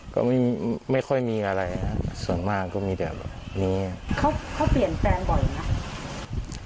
ก็มีไม่ค่อยมีอะไรอะส่วนมากก็มีแบบอย่างเงี้ยเขาเขาเปลี่ยนแฟนบ่อยมั้ย